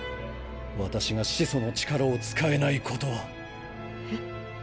私が始祖の力を使えないことは。え？